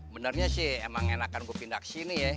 benernya sih emang enakan gue pindah kesini ya